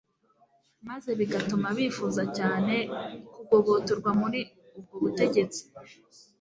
maze bigatuma bifuza cyane kugobotorwa muri ubwo butegetsi.